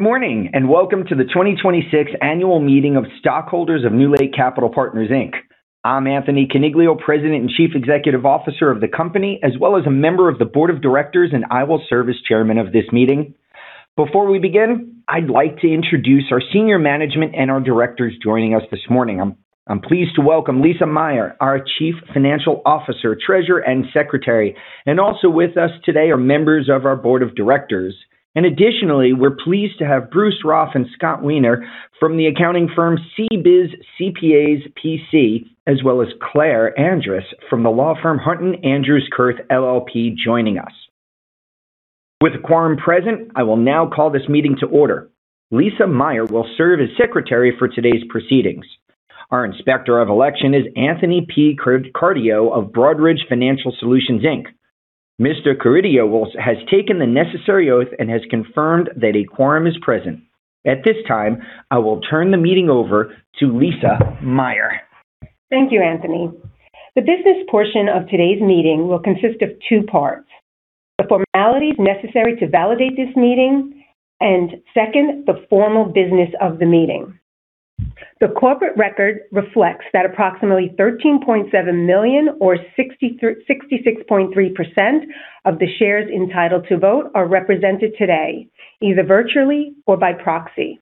Morning, welcome to the 2026 annual meeting of stockholders of NewLake Capital Partners, Inc. I'm Anthony Coniglio, President and Chief Executive Officer of the company, as well as a member of the Board of Directors, I will serve as chairman of this meeting. Before we begin, I'd like to introduce our senior management and our directors joining us this morning. I'm pleased to welcome Lisa Meyer, our Chief Financial Officer, Treasurer, and Secretary. Also with us today are members of our board of directors. Additionally, we're pleased to have Bruce Roth and Scott Weiner from the accounting firm CBIZ CPAs, P.C., as well as Claire Andrus from the law firm Hunton Andrews Kurth LLP joining us. With a quorum present, I will now call this meeting to order. Lisa Meyer will serve as secretary for today's proceedings. Our Inspector of Election is Anthony P. Carideo of Broadridge Financial Solutions, Inc. Mr. Carideo has taken the necessary oath and has confirmed that a quorum is present. At this time, I will turn the meeting over to Lisa Meyer. Thank you, Anthony. The business portion of today's meeting will consist of two parts, the formalities necessary to validate this meeting, and second, the formal business of the meeting. The corporate record reflects that approximately 13.7 million or 66.3% of the shares entitled to vote are represented today, either virtually or by proxy.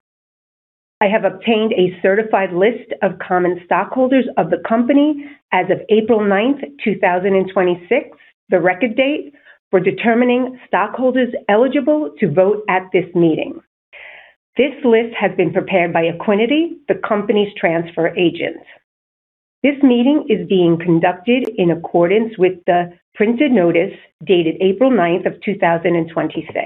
I have obtained a certified list of common stockholders of the company as of April 9th, 2026, the record date, for determining stockholders eligible to vote at this meeting. This list has been prepared by Equiniti, the company's transfer agent. This meeting is being conducted in accordance with the printed notice dated April 9th of 2026,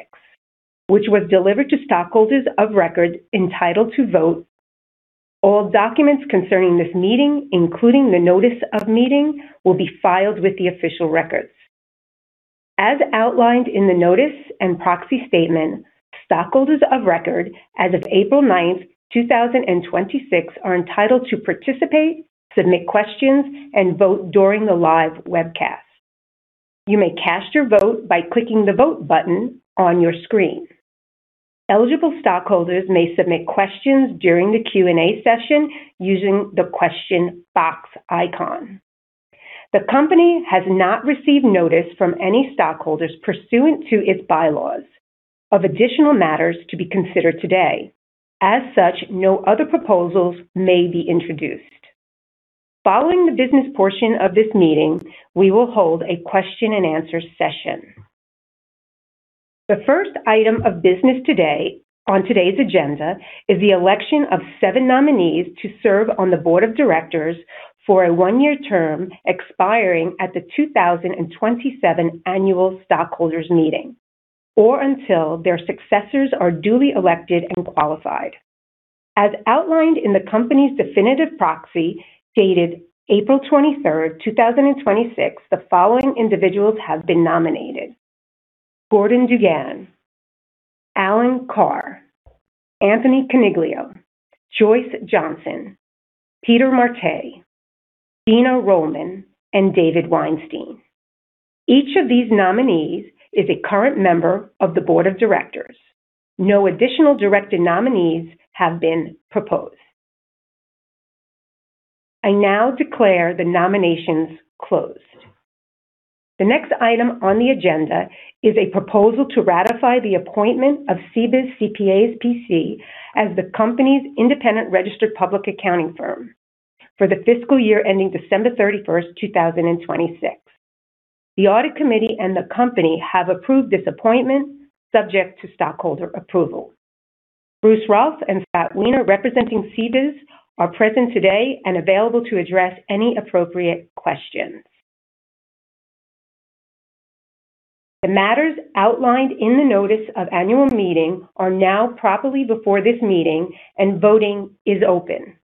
which was delivered to stockholders of record entitled to vote. All documents concerning this meeting, including the notice of meeting, will be filed with the official records. As outlined in the notice and proxy statement, stockholders of record as of April 9th, 2026, are entitled to participate, submit questions, and vote during the live webcast. You may cast your vote by clicking the vote button on your screen. Eligible stockholders may submit questions during the Q&A session using the question box icon. The company has not received notice from any stockholders pursuant to its bylaws of additional matters to be considered today. As such, no other proposals may be introduced. Following the business portion of this meeting, we will hold a question and answer session. The first item of business on today's agenda is the election of seven nominees to serve on the board of directors for a one-year term expiring at the 2027 annual stockholders meeting, or until their successors are duly elected and qualified. As outlined in the company's definitive proxy dated April 23rd, 2026, the following individuals have been nominated: Gordon DuGan, Alan Carr, Anthony Coniglio, Joyce Johnson, Peter Martay, Dina Rollman, and David Weinstein. Each of these nominees is a current member of the board of directors. No additional director nominees have been proposed. I now declare the nominations closed. The next item on the agenda is a proposal to ratify the appointment of CBIZ CPAs, P.C. as the company's independent registered public accounting firm for the fiscal year ending December 31st, 2026. The Audit Committee and the company have approved this appointment subject to stockholder approval. Bruce Roth and Scott Weiner representing CBIZ are present today and available to address any appropriate questions. The matters outlined in the notice of annual meeting are now properly before this meeting and voting is open.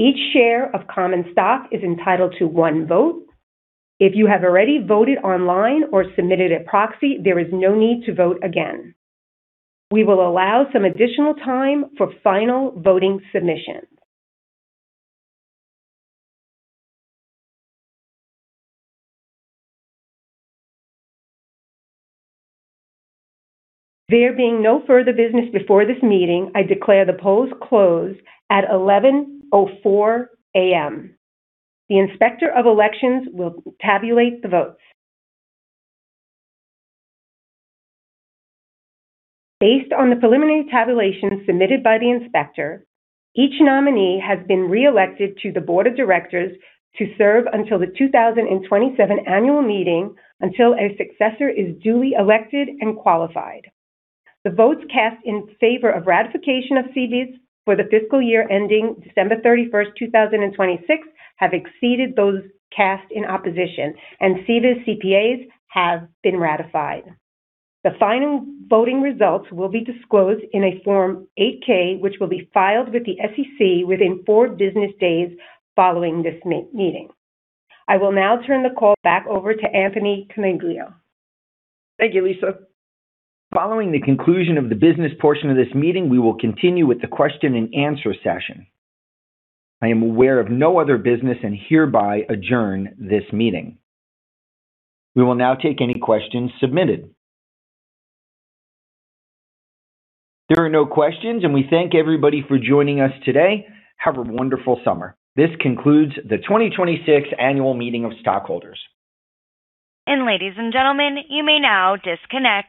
Each share of common stock is entitled to one vote. If you have already voted online or submitted a proxy, there is no need to vote again. We will allow some additional time for final voting submission. There being no further business before this meeting, I declare the polls closed at 11:04 AM. The Inspector of Elections will tabulate the votes. Based on the preliminary tabulation submitted by the inspector, each nominee has been reelected to the board of directors to serve until the 2027 annual meeting, until a successor is duly elected and qualified. The votes cast in favor of ratification of CBIZ for the fiscal year ending December 31st, 2026 have exceeded those cast in opposition, and CBIZ CPAs have been ratified. The final voting results will be disclosed in a Form 8-K, which will be filed with the SEC within four business days following this meeting. I will now turn the call back over to Anthony Coniglio. Thank you, Lisa. Following the conclusion of the business portion of this meeting, we will continue with the question and answer session. I am aware of no other business and hereby adjourn this meeting. We will now take any questions submitted. There are no questions, and we thank everybody for joining us today. Have a wonderful summer. This concludes the 2026 annual meeting of stockholders. Ladies and gentlemen, you may now disconnect.